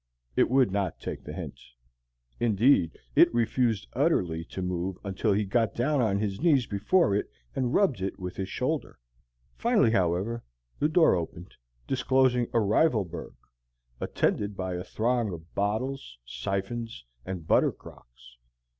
It would not take the hint. Indeed, it refused utterly to move until he got down on his knees before it and rubbed it with his shoulder. Finally, however, the door opened, disclosing a rival berg, attended by a throng of bottles, siphons, and butter crocks.